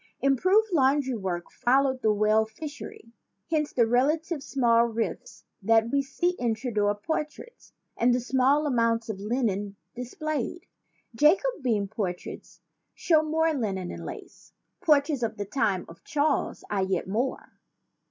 Improved laundry work followed the whale fishery. Hence the relatively small ruffs that we see in Tudor portraits and the small amount of linen displayed. Jacobean portraits show more linen and lace. Portraits of the time of Charles I yet more.